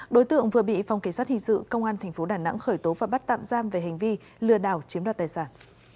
đối tượng vừa bị phòng cảnh sát hình sự công an tp đà nẵng khởi tố và bắt tạm giam về hành vi lừa đảo chiếm đoạt tài sản